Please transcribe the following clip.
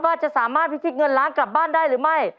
ว่าจะสามารถพิชิตเงินล้านกลับบ้านได้หรือไม่